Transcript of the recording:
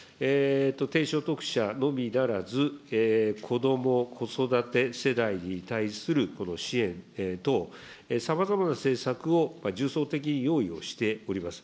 低所得者のみならず、こども・子育て世帯に対するこの支援等、さまざまな政策を重層的に用意をしております。